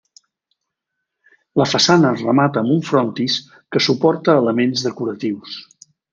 La façana es remata amb un frontis que suporta elements decoratius.